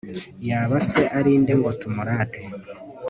yaba se ari nde, ngo tumurate